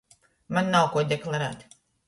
Maņ nav kuo deklarēt.